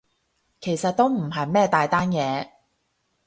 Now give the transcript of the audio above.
其實都唔係咩大單嘢